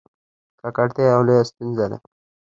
ککړتیا یوه لویه ستونزه ده.